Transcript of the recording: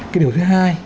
cái điều thứ hai